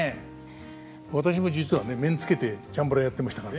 私も実はね面つけてチャンバラやってましたから。